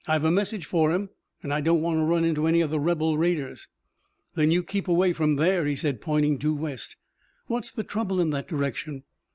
"I've a message for him and I don't want to run into any of the rebel raiders." "Then you keep away from there," he said, pointing due west. "What's the trouble in that direction?"